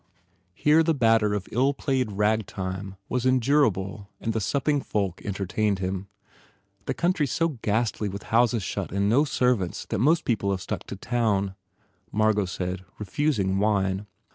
Here the batter of ill played ragtime was endurable and the supping folk entertained him. "The country s so ghastly with houses shut and no servants that most people have stuck to town," Margot said, refusing wine.